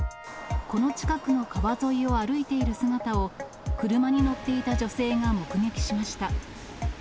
この近くの川沿いを歩いている姿を、車に乗っていた女性が目撃しました。